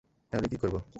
তাহলে, কি করবো?